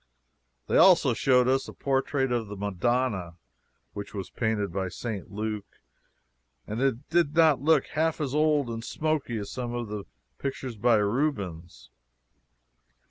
They also showed us a portrait of the Madonna which was painted by St. Luke, and it did not look half as old and smoky as some of the pictures by Rubens.